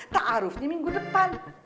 tak harusnya minggu depan